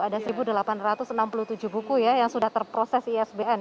ada satu delapan ratus enam puluh tujuh buku ya yang sudah terproses isbn